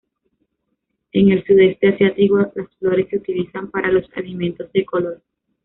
En el sudeste asiático las flores se utilizan para los alimentos de color.